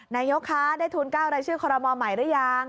นายกคะได้ทุนกล้าวรายชื่อคมใหม่หรือยัง